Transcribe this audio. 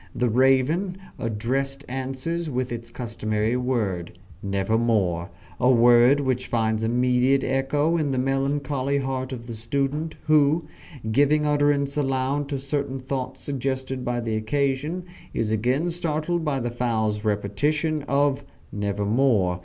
The raven addressed, answers with its customary word, "Nevermore" a word which finds immediate echo in the melancholy heart of the student, who, giving utterance aloud to certain thoughts suggested by the occasion, is again startled by the fowl's repetition of "Nevermore."